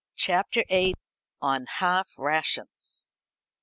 CHAPTER VIII. On Half Rations.